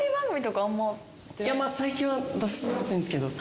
最近は出させてもらってんですけど。